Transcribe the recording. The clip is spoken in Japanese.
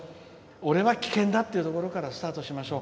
俺は危険だっていうところからスタートしましょう。